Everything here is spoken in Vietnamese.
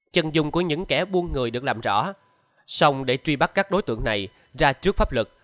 chân dung của những kẻ buôn người được làm rõ xong để truy bắt các đối tượng này ra trước pháp luật